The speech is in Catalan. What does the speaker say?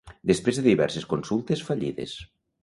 Després de diverses consultes fallides.